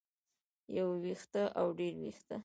يو وېښتۀ او ډېر وېښتۀ